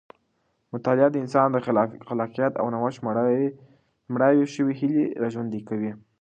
مطالعه د انسان د خلاقیت او نوښت مړاوې شوې هیلې راژوندۍ کوي.